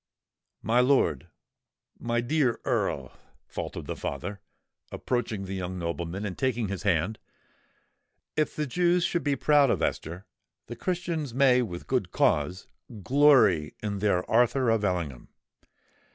"My lord—my dear Earl," faltered the father, approaching the young nobleman, and taking his hand, "if the Jews should be proud of Esther, the Christians may with good cause glory in their Arthur of Ellingham!